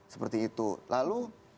seperti itu lalu